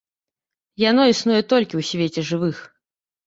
Яно існуе толькі ў свеце жывых.